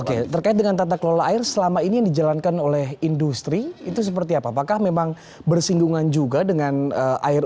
oke terkait dengan tata kelola air selama ini yang dijalankan oleh industri itu seperti apa apakah memang bersinggungan juga dengan air